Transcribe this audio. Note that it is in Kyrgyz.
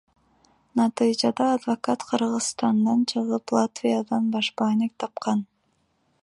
Натыйжада адвокат Кыргызстандан чыгып Латвиядан башпаанек тапкан.